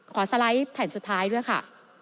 สไลด์แผ่นสุดท้ายด้วยค่ะ